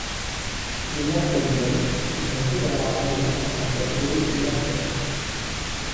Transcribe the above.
Clément Penven est un coureur appartenant à la catégorie des grimpeurs.